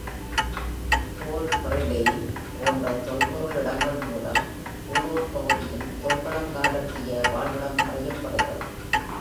Balbridie போன்ற தொல்பொருள் இடங்கள் மூலம், உள்ளூர் பகுதியின் தொல் பழங்காலத்திய வாழ்விடம் அறியப்படுகிறது.